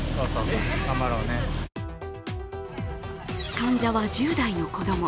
患者は１０代の子供。